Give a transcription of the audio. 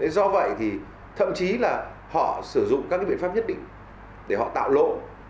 do vậy thì thậm chí là họ sử dụng các biện pháp nhất định để họ tạo lỗ